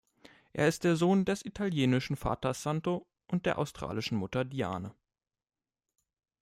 Er ist der Sohn des italienischen Vaters Santo und der australischen Mutter Diane.